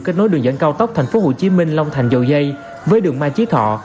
kết nối đường dẫn cao tốc tp hcm long thành dầu dây với đường mai chí thọ